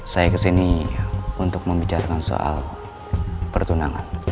saya kesini untuk membicarakan soal pertunangan